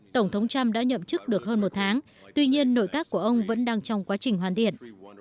tổng thống trump đã nhậm chức được hơn một tháng tuy nhiên nội các của ông vẫn đang trong quá trình hoàn thiện